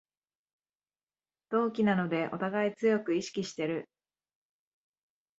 同期なのでおたがい強く意識してる